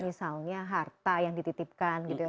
misalnya harta yang dititipkan gitu ya